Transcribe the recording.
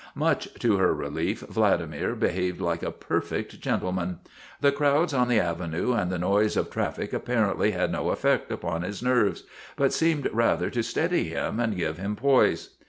Much to her relief Vladimir behaved like a per fect gentleman. The crowds on the avenue and the noise of traffic apparently had no effect upon his nerves, but seemed rather to steady him and give him poise.